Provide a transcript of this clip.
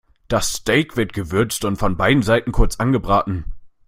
Das Steak wird gewürzt und von beiden Seiten kurz angebraten.